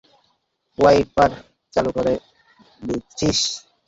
Wiper চালু করে, বুঝছিস?